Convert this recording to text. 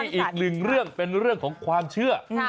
อีกหนึ่งเรื่องเป็นเรื่องของความเชื่อ